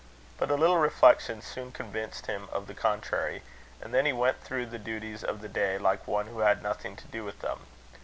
But a little reflection soon convinced him of the contrary; and then he went through the duties of the day like one who had nothing to do with them.